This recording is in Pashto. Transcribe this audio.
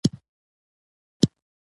ځغاسته د فعاله ژوند نښه ده